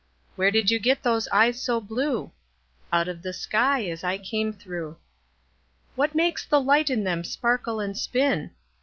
Where did you get those eyes so blue? Out of the sky as I came through. What makes the light in them sparkle and spin?